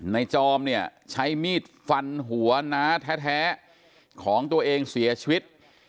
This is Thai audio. จอมเนี่ยใช้มีดฟันหัวน้าแท้ของตัวเองเสียชีวิต